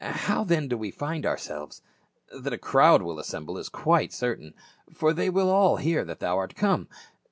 How then do we find ourselves ? That a crowd will assemble is quite certain ; for they will all hear that thou art come.